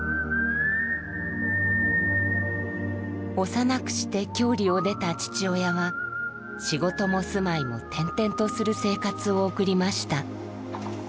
幼くして郷里を出た父親は仕事も住まいも転々とする生活を送りました。